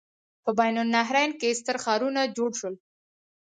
په بین النهرین کې ستر ښارونه جوړ شول.